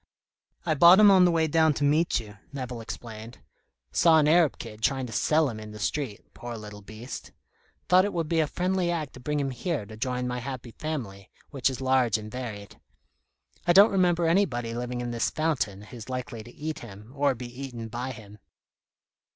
"I bought him on the way down to meet you," Nevill explained. "Saw an Arab kid trying to sell him in the street, poor little beast. Thought it would be a friendly act to bring him here to join my happy family, which is large and varied. I don't remember anybody living in this fountain who's likely to eat him, or be eaten by him."